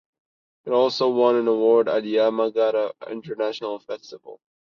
It also won an award at Yamagata International Festival.